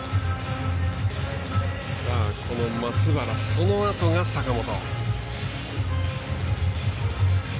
この松原、そのあとが坂本。